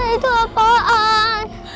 tante itu apaan